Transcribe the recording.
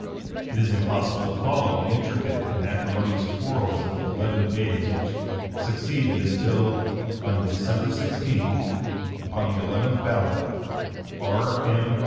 It is impossible to follow the intricate and acrimonious quarrels of the eleven days which succeeded until on December 16, upon the eleventh ballot, R. M.